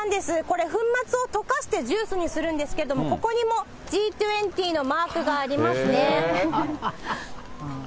これ、粉末を溶かしてジュースにするんですけれども、ここにもＧ２０のマークがありますね。